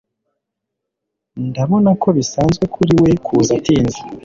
Ndabona ko bisanzwe kuri we kuza atinze